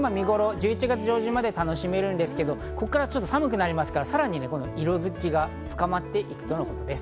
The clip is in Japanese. １１月上旬まで楽しめるんですけど、ここから寒くなりますから、さらに色づきが深まっていくとのことです。